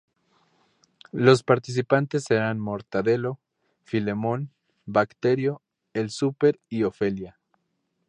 Los participantes serán Mortadelo, Filemón, Bacterio, el Súper y Ofelia.